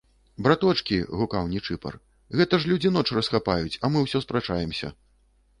- Браточкi, - гукаў Нiчыпар, - гэта ж людзi ноч расхапаюць, а мы ўсё спрачаемся...